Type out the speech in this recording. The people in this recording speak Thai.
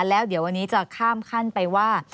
แล้วเดี๋ยววันนี้จะข้ามขั้นไปว่า